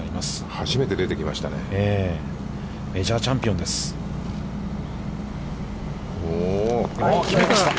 初めて出てきましたね。